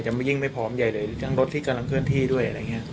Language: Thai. จะยิ่งไม่พร้อมใหญ่เลยทั้งรถที่กำลังเคลื่อนที่ด้วย